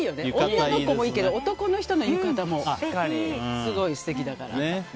女の子もいいけど男の人の浴衣もすごい素敵だから。